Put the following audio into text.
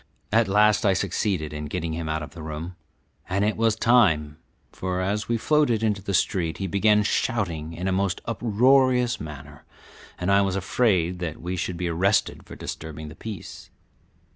At last I succeeded in getting him out of the room, and it was time, for as we floated into the street he began shouting in a most uproarious manner, and I was afraid that we should be arrested for disturbing the peace.